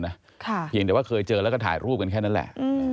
เพียงแต่ว่าเคยเจอแล้วก็ถ่ายรูปกันแค่นั้นแหละ